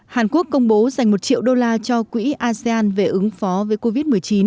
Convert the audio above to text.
hàn quốc công bố dành một triệu đô la cho quỹ asean về ứng phó với covid một mươi chín